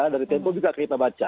dari tempo juga kita baca